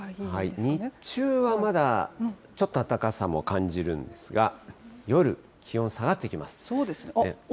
日中はまだ、ちょっとあったかさも感じるんですが、夜、気温下がってきます。